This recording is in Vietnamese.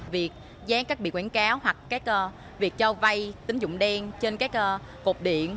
việc dán các bị quảng cáo hoặc việc cho vây tính dụng đen trên các cục điện